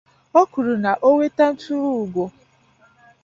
O kwuru na o nweta nturuugo